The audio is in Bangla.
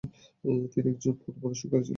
তিনি একজন পথ প্রদর্শনকারী ছিলেন।